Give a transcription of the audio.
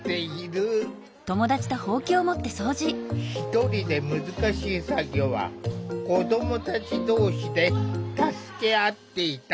一人で難しい作業は子どもたち同士で助け合っていた。